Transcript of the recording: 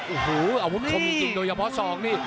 โอ้โหอาวุธคมจริงโดยเฉพาะซองนี่